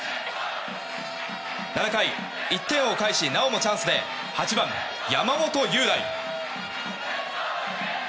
７回、１点を返しなおもチャンスで８番、山本祐大。